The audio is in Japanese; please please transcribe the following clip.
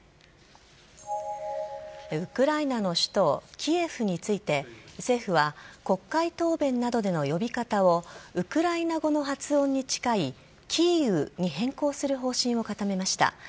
ウクライナの首都キエフについて、政府は国会答弁などでの呼び方をウクライナ語の発音に近いキーウに変更する方針を固めました。